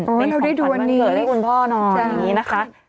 โอ้เราได้ดูวันนี้เป็นของขวัญบังเกิดให้คุณพ่อนอนอย่างนี้นะคะ